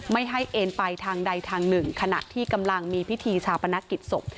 ไม่ให้เอ็นไปทางใดทางหนึ่งขณะที่กำลังมีพิธีชาปนกิจศพ